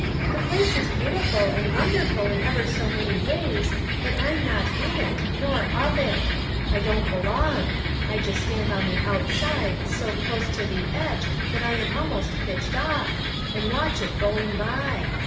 "The place is beautiful and wonderful in ever so many ways, but I am not in it, nor of it; I don't be long; I just stand on the outside, so close to the edge that I am almost pitched off, and watch it going by.